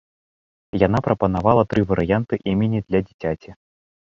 Яна прапанавала тры варыянты імені для дзіцяці.